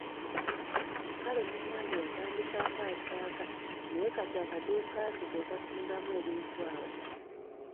Kale munnange yatandika ng'asaaga naye kati akaduuka ke ke kasingamu ebintu awo.